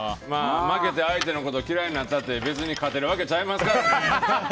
負けて相手のこと嫌いになったって別に勝てるわけちゃいますからね！